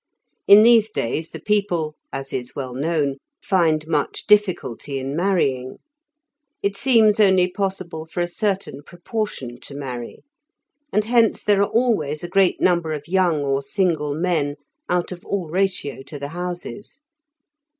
In these days the people (as is well known) find much difficulty in marrying; it seems only possible for a certain proportion to marry, and hence there are always a great number of young or single men out of all ratio to the houses.